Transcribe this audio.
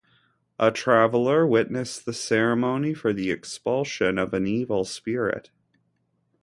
A traveler witnessed the ceremony for the expulsion of an evil spirit.